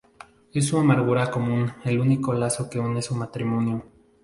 Es su amargura común el único lazo que une su matrimonio.